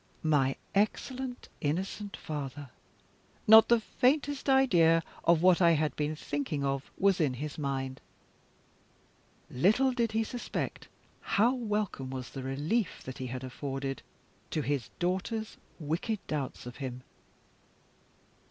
My excellent innocent father! Not the faintest idea of what I had been thinking of was in his mind. Little did he suspect how welcome was the relief that he had afforded to his daughter's wicked doubts of him.